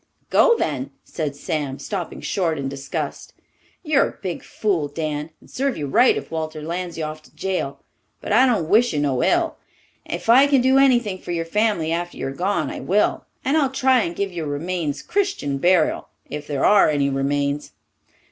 "Go, then!" said Sam, stopping short in disgust. "You're a big fool, Dan, and serve you right if Walters lands you off to jail; but I don't wish you no ill. If I can do anything for your family after you're gone, I will, and I'll try and give your remains Christian burial if there are any remains.